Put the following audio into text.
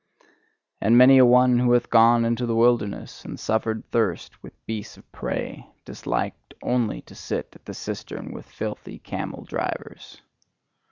And many a one who hath gone into the wilderness and suffered thirst with beasts of prey, disliked only to sit at the cistern with filthy camel drivers.